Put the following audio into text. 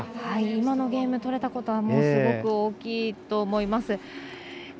今のゲーム取れたことはすごく大きいと思います。